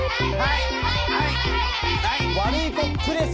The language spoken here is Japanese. はい。